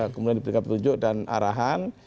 kemudian diberikan petunjuk dan arahan